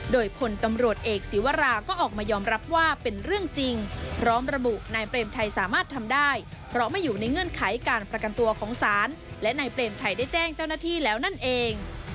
โดยพลตำรวจเอกศีวราก็ออกมายอมรับว่าเป็นเรื่องจริงพร้อมระบุนายเปรมชัยสามารถทำได้เพราะไม่อยู่ในเงื่อนไขการประกันตัวของศาลและนายเปรมชัยได้แจ้งเจ้าหน้าที่แล้วนั่นเอง